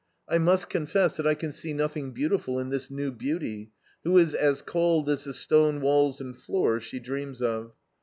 I must confess that I can see nothing beautiful in this new beauty, who is as cold as the stone walls and floors she dreams of.